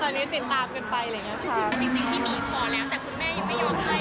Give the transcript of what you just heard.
จริงหรือเปล่าคะ